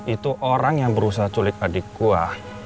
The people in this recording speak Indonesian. itu orang yang berusaha culik adik gue